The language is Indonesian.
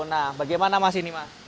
nah bagaimana mas ini mas